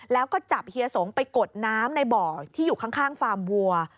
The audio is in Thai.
แล้วก็จับเฮียสงไปกดน้ำในบ่อที่อยู่ข้างฟาร์มวัว